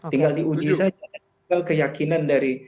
tinggal diuji saja tinggal keyakinan dari